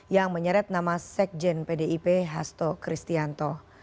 yang menyeret nama sekjen pdip hasto kristianto